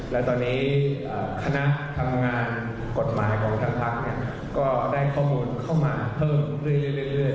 และตอนนี้คณะทำงานกฎหมายของทางพักก็ได้ข้อมูลเข้ามาเพิ่มขึ้นเรื่อย